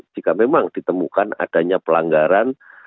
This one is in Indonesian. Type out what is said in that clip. jika memang ditemukan adanya pelanggaran